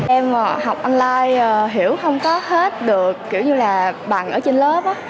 em học online hiểu không có hết được kiểu như là bằng ở trên lớp